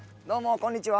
こんにちは。